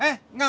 pengen parah ya